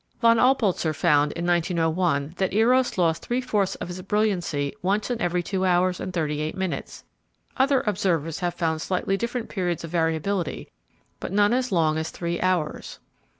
Von Oppolzer found, in 1901, that Eros lost three fourths of its brilliancy once in every two hours and thirty eight minutes. Other observers have found slightly different periods of variability, but none as long as three hours.